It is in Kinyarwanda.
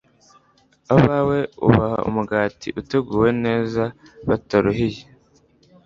abawe ubaha umugati uteguwe neza bataruhiye